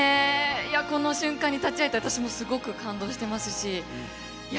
いやこの瞬間に立ち会えて私もすごく感動してますしいや